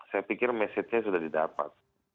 saya pikir mesejnya sudah didapat